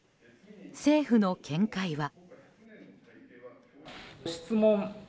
政府の見解は。